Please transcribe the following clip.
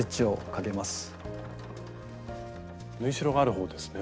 縫いしろがある方ですね。